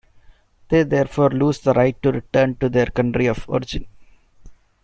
They therefore lose the right to return to their country of origin.